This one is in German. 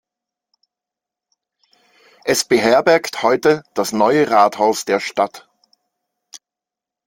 Es beherbergt heute das "Neue Rathaus" der Stadt.